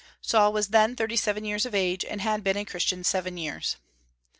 Saul was then thirty seven years of age, and had been a Christian seven years.